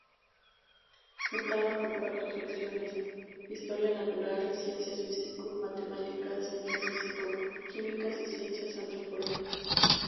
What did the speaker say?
Contaba con cuatro secciones: Historia natural, Ciencias Físico-Matemáticas, Ciencias Fïsico-Químicas y Ciencias Antropológicas.